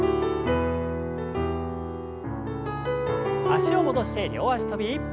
脚を戻して両脚跳び。